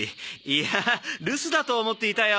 いやあ留守だと思っていたよ。